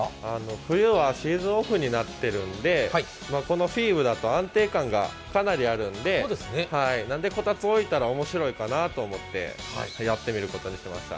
冬はシーズンオフになってるんで、このＦＩＢだと安定感がかなりあるので、こたつを置いたら面白いかなと思ってやってみることにしました。